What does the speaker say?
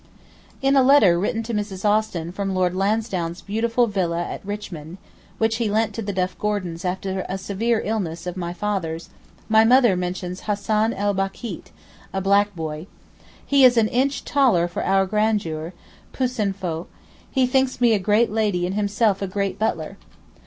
In a letter written to Mrs. Austin from Lord Lansdowne's beautiful villa at Richmond, which he lent to the Duff Gordons after a severe illness of my father's, my mother mentions Hassan el Bakkeet (a black boy): 'He is an inch taller for our grandeur; peu s'en faut, he thinks me a great lady and himself a great butler.